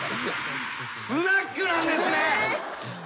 スナックなんですね。